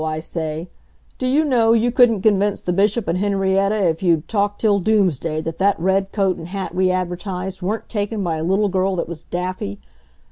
I say; do you know, you couldn't convince the Bishop and Henrietta, if you'd talk till doomsday, that that red coat and hat we advertised weren't taken by a little girl that was daffy.